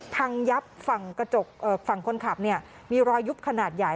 พังยับฝั่งกระจกฝั่งคนขับมีรอยยุบขนาดใหญ่